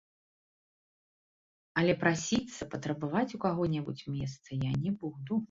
Але прасіцца, патрабаваць у каго-небудзь месца я не буду.